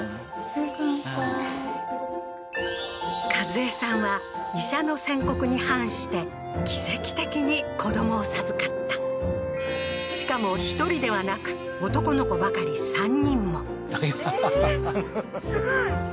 よかった一江さんは医者の宣告に反して奇跡的に子供を授かったしかも１人ではなく男の子ばかり３人もははははっええーすごい